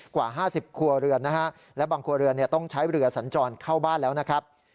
กว่า๕๐ครัวเรือนนะฮะและบางครัวเรือนต้องใช้เรือสัญจรเข้าบ้านแล้วนะครับ